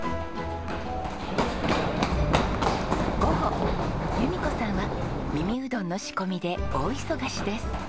午後由美子さんは耳うどんの仕込みで大忙しです。